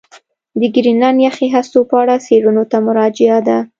د ګرینلنډ یخي هستو په اړه څېړنو ته مراجعه ده.